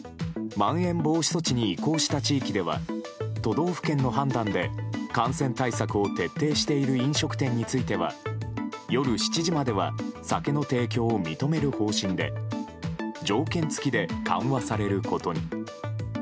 まん延防止措置に移行した地域では都道府県の判断で感染対策を徹底している飲食店については夜７時までは酒の提供を認める方針で条件付きで緩和されることに。